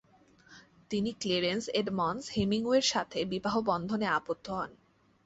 তিনি Clarence Edmunds হেমিংওয়ের সাথে বিবাহ বন্ধনে আবদ্ধ হন।